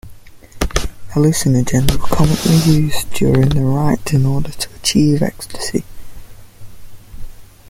Hallucinogens were commonly used during the rite in order to achieve ecstasy.